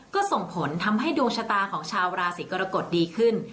ก็ส่งผลทำให้ดวงชะตาของชาวราศีกรกฎดีขึ้น